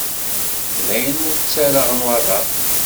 Dayen, ur ttarraɣ nnwaḍer.